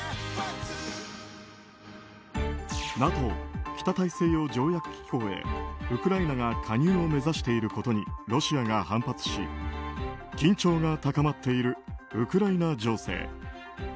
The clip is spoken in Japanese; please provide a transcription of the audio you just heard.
ＮＡＴＯ・北大西洋条約機構へウクライナが加入を目指していることにロシアが反発し緊張が高まっているウクライナ情勢。